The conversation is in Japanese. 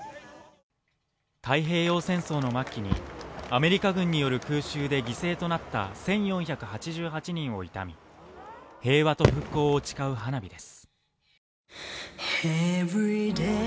太平洋戦争の末期にアメリカ軍による空襲で犠牲となった１４８８人を悼み、平和と復興を誓う花火です。